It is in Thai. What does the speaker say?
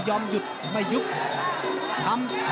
มันต้องอย่างงี้มันต้องอย่างงี้